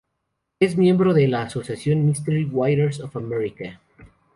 Es miembro de la asociación Mystery Writers of America.